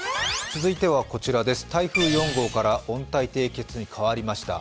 続いてはこちらです、台風４号から温帯低気圧に変わりました。